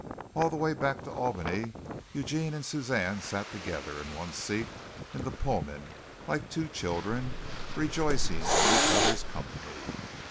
All the way back to Albany, Eugene and Suzanne sat together in one seat in the Pullman like two children rejoicing in each other's company.